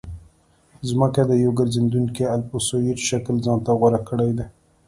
ځمکې د یو ګرځېدونکي الپسویډ شکل ځان ته غوره کړی دی